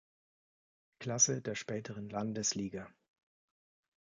Klasse, der späteren Landesliga.